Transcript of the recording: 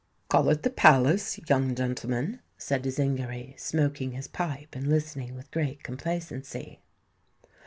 "Call it the Palace, young gentleman," said Zingary, smoking his pipe, and listening with great complacency.